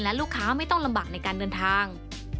และลูกค้าไม่ต้องลำบากในการเดินทาง